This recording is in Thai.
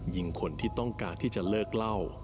คนที่ต้องการที่จะเลิกเล่า